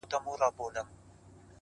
په څپو کي ستا غوټې مي وې لیدلي -